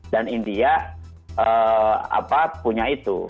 dan india punya itu